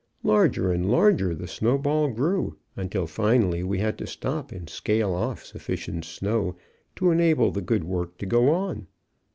Larger and larger the snowball grew, until finally we had to stop and scale off sufficient snow to enable the good work to go on.